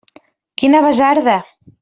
Quina basarda!